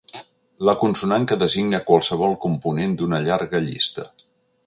La consonant que designa qualsevol component d'una llarga llista.